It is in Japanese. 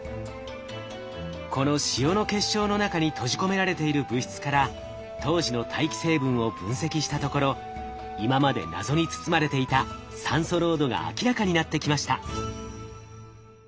この塩の結晶の中に閉じ込められている物質から当時の大気成分を分析したところ今まで謎に包まれていた酸素濃度が明らかになってきました。